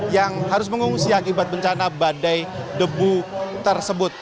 yang harus mengungsi akibat bencana badai debu tersebut